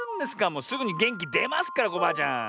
もうすぐにげんきでますからコバアちゃん。